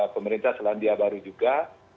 pemerintah selandia baru juga